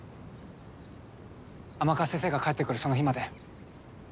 甘春先生が帰ってくるその日まで。